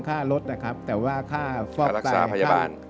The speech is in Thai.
ค่ารถนะครับแต่ว่าค่าฟอกตามพยาบาล